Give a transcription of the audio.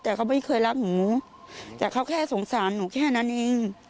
แต่เขาไม่เคยรักหนูแต่เขาแค่สงสารหนูแค่นั้นเอง